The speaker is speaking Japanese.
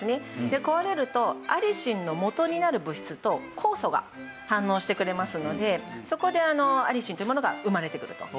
で壊れるとアリシンのもとになる物質と酵素が反応してくれますのでそこでアリシンというものが生まれてくると。